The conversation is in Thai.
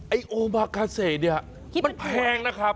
ไอ้โอมากาเซมันแพงนะครับ